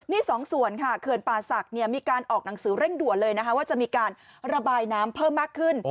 นี่สองส่วนค่ะเขื่อนป่าศักดิ์มีการออกหนังสือเร่งด่วนเลยนะคะว่าจะมีการระบายน้ำเพิ่มมากขึ้น